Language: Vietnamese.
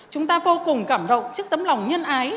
chúng ta vô cùng cảm động trước tấm lòng nhân ái